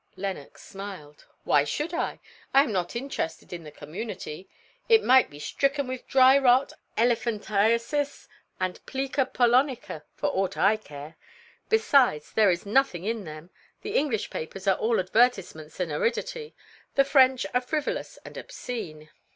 Lenox smiled. "Why should I? I am not interested in the community. It might be stricken with dry rot, elephantiasis and plica polonica for ought I care. Besides, there is nothing in them; the English papers are all advertisements and aridity, the French are frivolous and obscene.